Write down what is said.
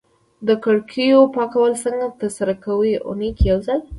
د کړکیو پاکول څنګه ترسره کوی؟ اونۍ کی یوځل